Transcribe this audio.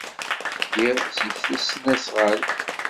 Ddiɣ s tesnasɣalt.